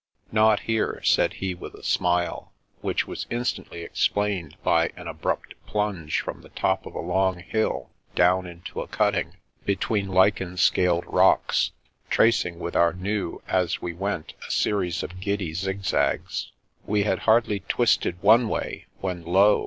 " Not here," said he with a smile, which was in stantly explained by an abrupt plunge from the top of a long hill down into a cutting between lichen scaled rocks, tracing with our " pneus " as we went a series of giddy zig zags. We had hardly twisted one way when lo